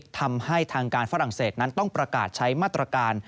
ทำให้ทางการฝรั่งเศสนั้นต้องประกาศใช้มาตรการ